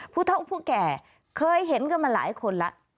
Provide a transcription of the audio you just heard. ผู้เท่าผู้แก่เคยเห็นกันมาหลายคนแล้ว